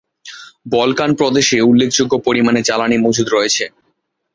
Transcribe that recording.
Balkan প্রদেশে উল্লেখযোগ্য পরিমাণে জ্বালানী মজুদ রয়েছে।